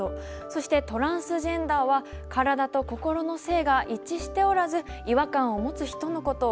そしてトランスジェンダーは体と心の性が一致しておらず違和感を持つ人のことをいいます。